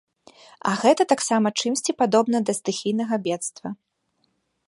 А гэта таксама чымсьці падобна да стыхійнага бедства.